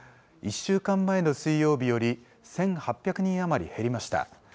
１週間前の水曜日より１８００人余り減りました。